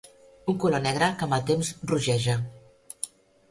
Un color negre que amb el temps rogeja.